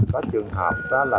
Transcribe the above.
có trường hợp đó là